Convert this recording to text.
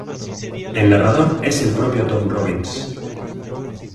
El narrador es el propio Tom Robbins.